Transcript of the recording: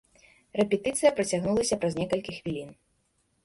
Рэпетыцыя працягнулася праз некалькі хвілін.